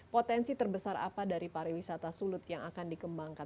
potensi terbesar apa dari pariwisata sulut yang akan dikembangkan